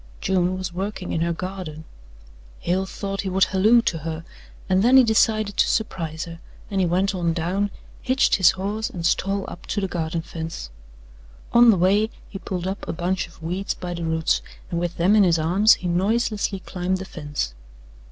June was working in her garden. Hale thought he would halloo to her, and then he decided to surprise her, and he went on down, hitched his horse and stole up to the garden fence. On the way he pulled up a bunch of weeds by the roots and with them in his arms he noiselessly climbed the fence.